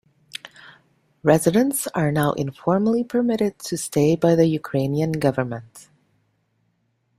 Residents are now informally permitted to stay by the Ukrainian government.